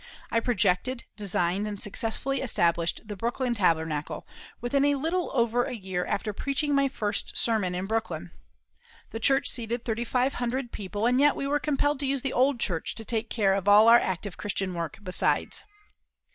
I projected, designed, and successfully established the Brooklyn Tabernacle within a little over a year after preaching my first sermon in Brooklyn. The church seated 3,500 people, and yet we were compelled to use the old church to take care of all our active Christian work besides.